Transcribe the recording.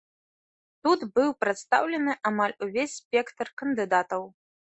Тут быў прадстаўлены амаль увесь спектр кандыдатаў.